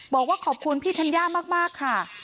บอกว่าขอบคุณพี่ธัญญามากค่ะ